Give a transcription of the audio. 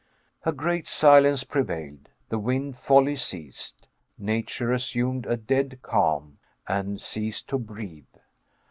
A great silence prevailed. The wind wholly ceased. Nature assumed a dead calm, and ceased to breathe.